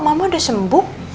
mama udah sembuh